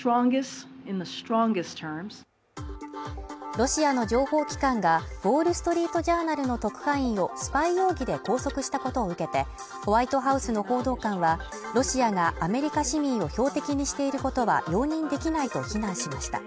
ロシアの情報機関が「ウォール・ストリート・ジャーナル」の特派員をスパイ容疑で拘束したことを受けてホワイトハウスの報道官は、ロシアがアメリカ市民を標的にしていることは容認できないと非難しました。